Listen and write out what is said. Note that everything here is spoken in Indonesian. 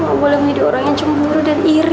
aku boleh menjadi orang yang cemburu dan iri